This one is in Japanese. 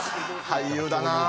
俳優だな。